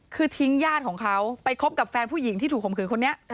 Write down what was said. คือทิ้งญาติของเขาไปคบกับแฟนผู้หญิงที่ถูกข่มขืนคนนี้